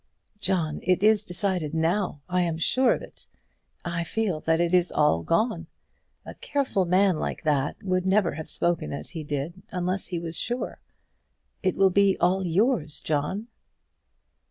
"John, it is decided now; I am sure of it. I feel that it is all gone. A careful man like that would never have spoken as he did, unless he was sure. It will be all yours, John."